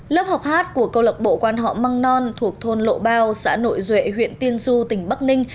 lớp học hát của câu lạc bộ quan họ măng non thuộc thôn lộ bao xã nội duệ huyện tiên du tỉnh bắc ninh